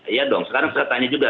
iya dong sekarang saya tanya juga